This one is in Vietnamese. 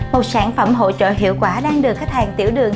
một sản phẩm hỗ trợ hiệu quả đang được khách hàng tiểu đường